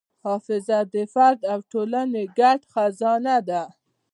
حافظه د فرد او ټولنې ګډ خزانه ده.